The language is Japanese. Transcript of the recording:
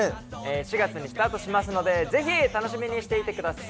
４月にスタートしますので、ぜひ楽しみにしていてください。